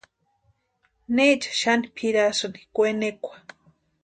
¿Necha xani pʼirasïni kwenekwa?